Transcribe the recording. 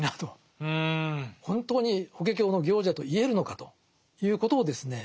本当に「法華経の行者」と言えるのかということをですね